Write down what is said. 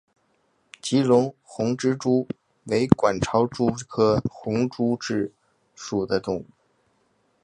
吉隆红螯蛛为管巢蛛科红螯蛛属的动物。